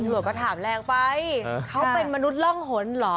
ก็ถามแรงไปเขาเป็นมนุษย์ร่องหนเหรอ